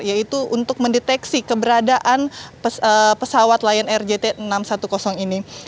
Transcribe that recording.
yaitu untuk mendeteksi keberadaan pesawat lion air jt enam ratus sepuluh ini